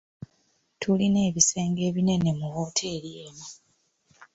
Tulina ebisenge ebinene mu wooteeri eno.